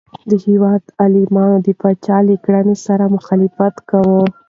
د هیواد عالمانو د پاچا له کړنو سره مخالفت کاوه.